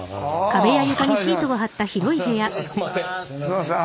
すいません。